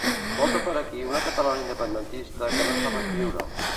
Volta per aquí una catalana independentista que no sap escriure